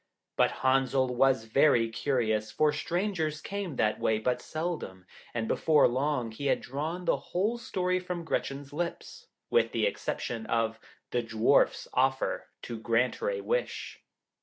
But Henzel was very curious, for strangers came that way but seldom, and before long he had drawn the whole story from Gretchen's lips, with the exception of the Dwarf's offer to grant her a wish.